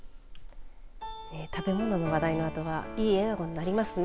食べ物の話題のあとはいい笑顔になりますね。